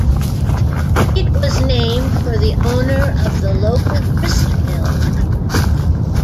It was named for the owner of the local grist mill.